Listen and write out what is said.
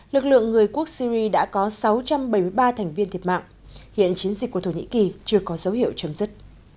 lực lượng người quốc syri đã có sáu trăm bảy mươi ba thành viên thiệt mạng hiện chiến dịch của thổ nhĩ kỳ chưa có dấu hiệu chấm dứt